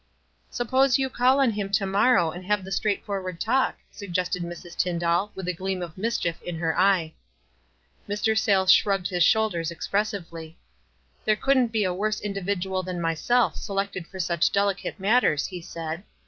249 "Suppose you call ou him to morrow, and L/tf e the straightforward talk," suggested Mrs. Tyndall, with a gleam of mischief in her eye. Mr. Sayles shrugged his shoulders expres sively. " There couldn't be a worse individual than myself selected for such delicate matters," he said.